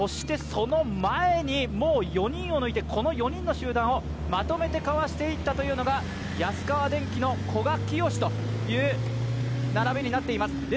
その前にもう４人を抜いて、この４人の集団をまとめてかわしていったのが安川電機の古賀淳紫という並びになっています。